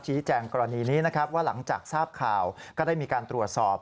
แจ้งกรณีนี้นะครับว่าหลังจากทราบข่าวก็ได้มีการตรวจสอบ